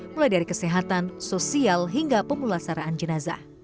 mulai dari kesehatan sosial hingga pemulasaraan jenazah